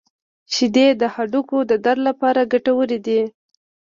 • شیدې د هډوکو د درد لپاره ګټورې دي.